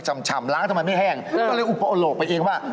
ก็เลยอุปโหลกไปเองว่า